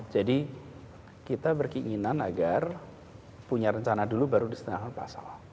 jadi kita berkeinginan agar punya rencana dulu baru disenangkan pasal